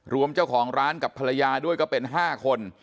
รวมเจ้าของร้านกับภรรยาด้วยก็เป็น๕คน